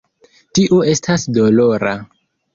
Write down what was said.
Tio estas dolora.